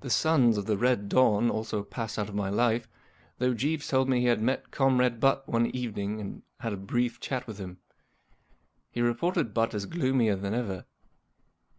The Sons of the Red Dawn also passed out of my life, though Jeeves told me he had met Comrade Butt one evening and had a brief chat with him. He reported Butt as gloomier than ever.